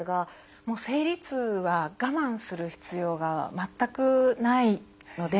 もう生理痛は我慢する必要が全くないので。